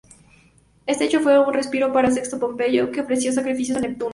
Este hecho fue un respiro para Sexto Pompeyo, que ofreció sacrificios a Neptuno.